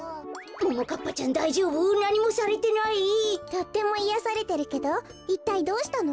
とってもいやされてるけどいったいどうしたの？